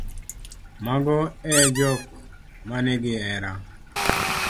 mago e jok ma nigi hera